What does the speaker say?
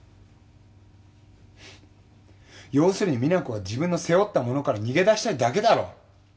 フッ要するに実那子は自分の背負ったものから逃げ出したいだけだろ！